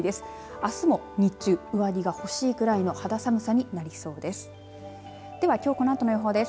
あすも日中上着が欲しいぐらいの肌寒さになりそうです。